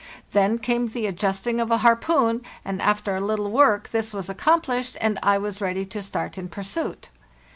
Then came the adjusting of a harpoon, and after a little work this was accomplished, and I was ready to start in pursuit.